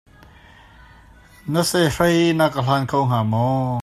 Na sahrei na ka hlan kho hnga maw?